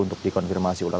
untuk dikonfirmasi ulang